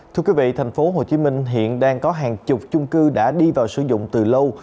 thưa quý vị tp hcm hiện đang có hàng chục chung cư đã đi vào sử dụng từ lâu